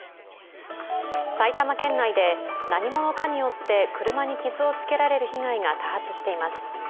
埼玉県内で何者かによって車に傷をつけられる被害が多発しています。